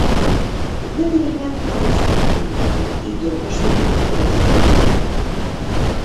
Гэты варыянт мае сваіх кліентаў, і добра, што гэта ёсць.